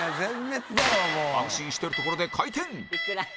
安心してるところで回転